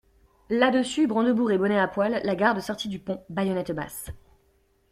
Là-dessus, brandebourgs et bonnets à poil, la garde sortit du pont, baïonnettes basses.